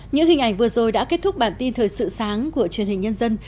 những hình ảnh vừa rồi đã kết thúc bản tin thời sự sáng của truyền hình nhân dân